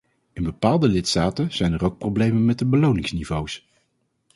In bepaalde lidstaten zijn er ook problemen met de beloningsniveaus.